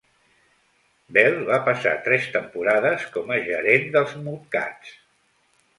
Bell va passar tres temporades com a gerent dels Mudcats.